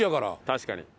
確かに。